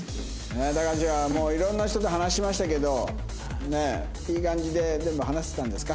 たかしは色んな人と話しましたけどいい感じで全部話せたんですか？